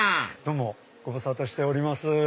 どうもご無沙汰しております。